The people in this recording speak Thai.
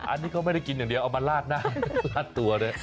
อันนี้เขาไม่ได้กินอย่างเดียวเอามาลาดหน้าลาดตัวด้วย